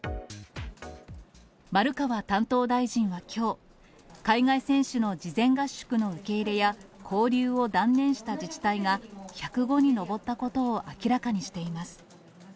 丸川担当大臣はきょう、海外選手の事前合宿の受け入れや交流を断念した自治体が、１０５に上ったことを明らかにしています。